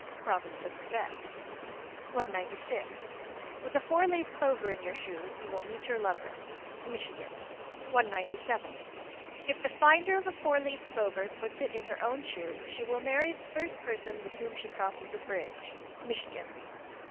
Province of Quebec. 196. With a four leaved clover in your shoe, you will meet your lover. Michigan. 197. If the finder of a four leaved clover put it in her own shoe, she will marry the first person with whom she crosses a bridge. _Michigan.